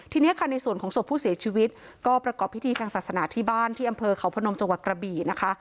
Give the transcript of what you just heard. ทีนี้ค่ะในส่วนของศพผู้เสียชีวิตก็ประกอบพิธีทางศาสนาที่บ้านที่อำเภอเขาพนมจังหวัดกระบี่นะคะ